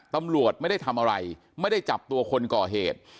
ตำรวจไม่ได้ทำอะไรไม่ได้จับตัวคนก่อเหตุ